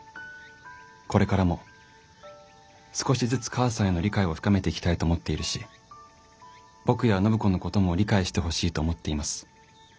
これからも少しずつ母さんへの理解を深めていきたいと思っているし僕や暢子のことも理解してほしいと思っています。